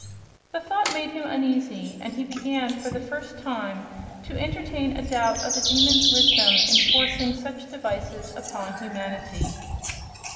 The thought made him uneasy, and he began, for the first time, to entertain a doubt of the Demon's wisdom in forcing such devices upon humanity.